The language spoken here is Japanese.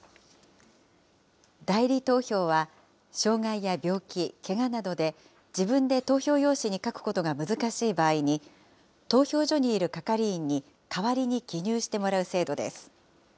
代理投票は、障害や病気、けがなどで、自分で投票用紙に書くことが難しい場合に、投票所にいる係員に代わりに記入してもらう制度です。